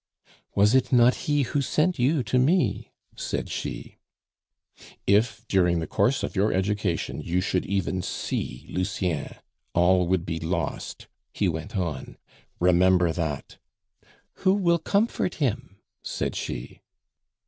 "Was it not He who sent you to me?" said she. "If during the course of your education you should even see Lucien, all would be lost," he went on; "remember that." "Who will comfort him?" said she.